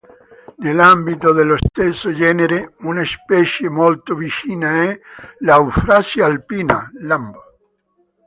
Nell'ambito dello stesso genere una specie molto vicina è l"'Euphrasia alpina" Lam.